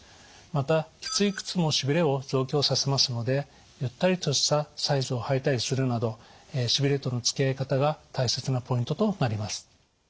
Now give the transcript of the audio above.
またきつい靴もしびれを増強させますのでゆったりとしたサイズを履いたりするなどしびれとのつきあい方が大切なポイントとなります。